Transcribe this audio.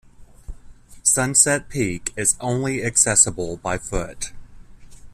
Sunset peak is only accessible by foot.